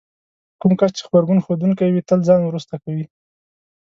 کوم کس چې غبرګون ښودونکی وي تل ځان وروسته کوي.